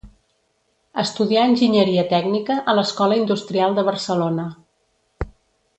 Estudià enginyeria tècnica a l'Escola Industrial de Barcelona.